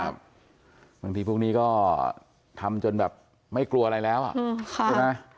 บางทีพวกนี้ก็ทำจนแบบไม่กลัวอะไรแล้วใช่ไหม